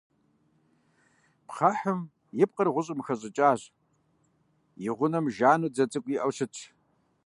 Пхъэхым и пкъыр гъущӏым къыхэщӏыкӏащ, и гъунэм жану дзэ цӏыкӏу иӏэу щытщ.